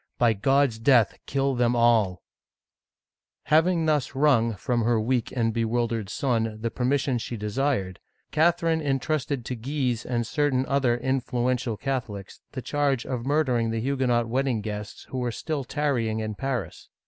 By God's death, kill them all !" Having thus wrung from her weak and bewildered son the permission she desired, Catherine intrusted to Guise and certahi other influential Catholics, the charge of mur dering the Huguenot wedding guests who were still tarry ing in Paris.